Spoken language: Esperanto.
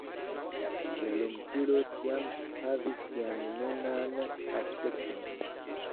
La lumturo tiam ekhavis sian nunan aspekton.